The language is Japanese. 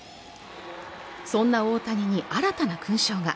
そんな大谷に新たな勲章が。